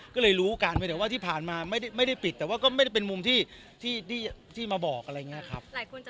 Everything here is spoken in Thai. ชื่อว่าไม่ได้แต่งครับ